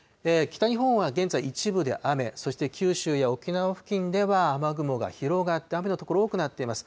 北日本は現在、一部で雨、そして九州や沖縄付近では雨雲が広がって、雨の所、多くなっています。